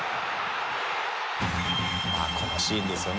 このシーンですよね。